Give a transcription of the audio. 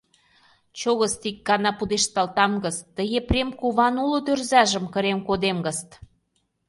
Чо гыст, ик гана пудешталтам гыст, ты Епрем куван уло тӧрзажым кырен кодем гыст!